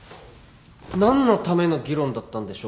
何のための議論だったんでしょう？